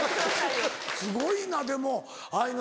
すごいなでもああいうの。